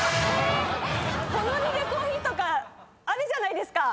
ホノルルコーヒーとかあるじゃないですか！